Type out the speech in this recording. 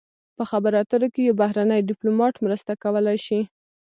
په خبرو اترو کې یو بهرنی ډیپلومات مرسته کولی شي